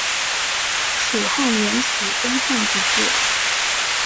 蜀汉沿袭东汉之制。